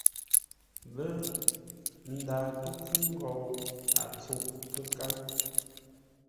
Lə̂, m ndaa kə́ pfúŋ ghou a tsûʼ kə́káŋ.